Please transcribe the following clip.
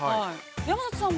山里さんも。